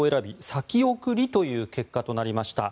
先送りという結果となりました。